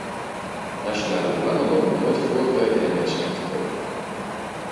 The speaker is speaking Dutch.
Nationale belangen mogen nooit vóór vrede en mensenrechten komen.